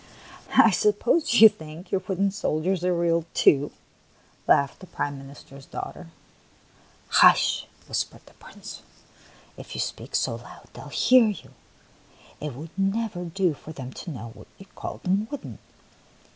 132 THE PALACE ON THE FLOOR " I suppose you think your wooden soldiers are real, too!'* laughed the Prime Ministers daughter. " Hush !" whispered the Prince. *' If you speak so loud, they will hear you, and it would never do for them to know that you called them wooden.